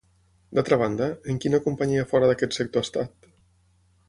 D'altra banda, en quina companyia fora d'aquest sector ha estat?